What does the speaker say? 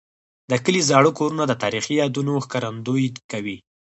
د کلي زاړه کورونه د تاریخي یادونو ښکارندوي کوي.